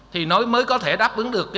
thì mới có thể đáp ứng được